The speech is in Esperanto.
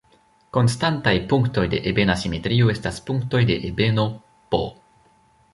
Konstantaj punktoj de ebena simetrio estas punktoj de ebeno "P".